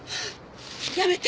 やめて！